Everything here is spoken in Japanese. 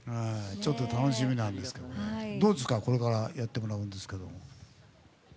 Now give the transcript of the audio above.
楽しみなんですけどどうですか、これからやってもらうんですけど。